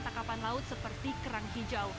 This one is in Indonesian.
tangkapan laut seperti kerang hijau